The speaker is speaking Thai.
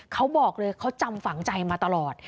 เขาบอกเลยเขาจำฝังใจมาตลอด